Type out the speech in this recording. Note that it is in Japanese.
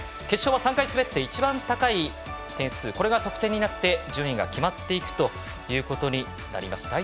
決勝は３回滑って一番高い点数これが得点になって順位が決まっていくことになります。